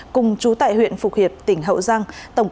cùng chú tại huyện phục hiệp tỉnh hậu giang